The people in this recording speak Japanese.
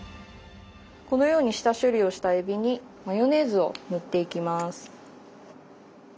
このように下処理をしたえびにマヨネーズを塗っていきます。